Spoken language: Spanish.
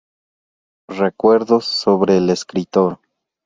Recuerdos sobre el escritor".